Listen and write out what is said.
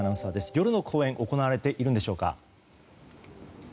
夜の公演は行われているんでしょうか？